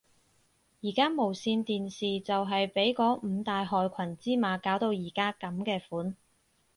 而家無線電視就係被嗰五大害群之馬搞到而家噉嘅款